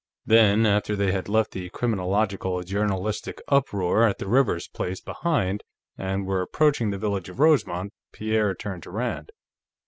Then, after they had left the criminological journalistic uproar at the Rivers place behind and were approaching the village of Rosemont, Pierre turned to Rand.